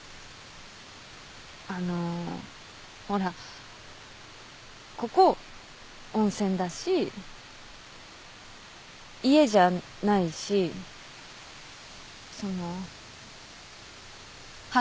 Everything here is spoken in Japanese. あのほらここ温泉だし家じゃないしその。